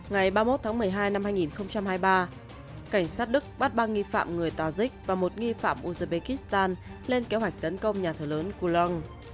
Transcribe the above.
ngày ba mươi một tháng một mươi hai năm hai nghìn hai mươi ba cảnh sát đức bắt ba nghi phạm người tajik và một nghi phạm uzbekistan lên kế hoạch tấn công nhà thờ lớn kulong